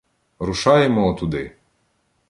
Рушаємо "отуди".